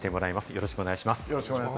よろしくお願いします。